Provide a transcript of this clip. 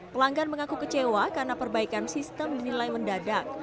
pelanggan mengaku kecewa karena perbaikan sistem dinilai mendadak